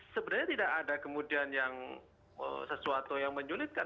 sebenarnya tidak ada kemudian yang sesuatu yang menyulitkan